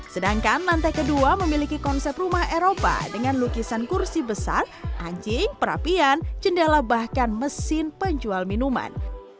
sedangkan lantai kedua memiliki konsep rumah eropa dengan lukisan kursi besar anjing perapian jendela bahkan mesin penjual minuman